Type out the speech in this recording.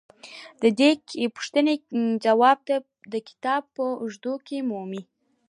د دې پوښتنې ځواب د کتاب په اوږدو کې مومئ.